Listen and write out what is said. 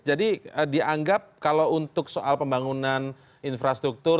jadi dianggap kalau untuk soal pembangunan infrastruktur